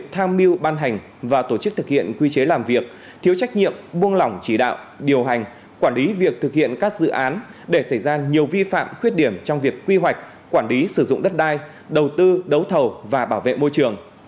tham mưu ban hành và tổ chức thực hiện quy chế làm việc thiếu trách nhiệm buông lỏng chỉ đạo điều hành quản lý việc thực hiện các dự án để xảy ra nhiều vi phạm khuyết điểm trong việc quy hoạch quản lý sử dụng đất đai đầu tư đấu thầu và bảo vệ môi trường